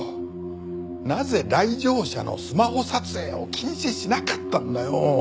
なぜ来場者のスマホ撮影を禁止しなかったんだよ。